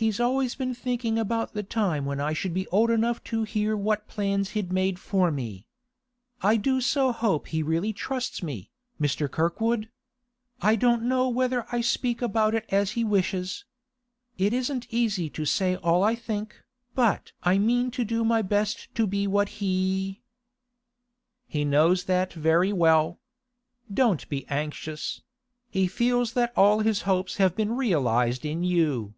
'He's always been thinking about the time when I should be old enough to hear what plans he'd made for me. I do so hope he really trusts me, Mr. Kirkwood! I don't know whether I speak about it as he wishes. It isn't easy to say all I think, but I mean to do my best to be what he—' 'He knows that very well. Don't be anxious; he feels that all his hopes have been realised in you.